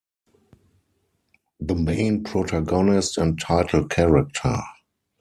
The main protagonist and title character.